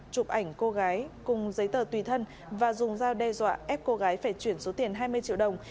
chụp ảnh cô gái cùng giấy tờ tùy thân và dùng dao đe dọa ép cô gái phải chuyển số tiền hai mươi triệu đồng